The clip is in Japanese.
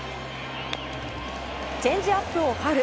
チェンジアップをファウル。